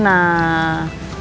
gak usah ya